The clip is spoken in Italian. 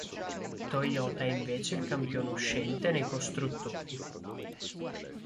Toyota è invece il campione uscente nei costruttori.